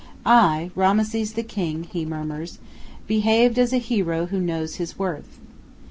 "I, Rameses the King," he murmurs, "behaved as a hero who knows his worth."